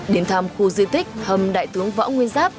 đến thăm khu di tích hầm đại tướng võ nguyên giáp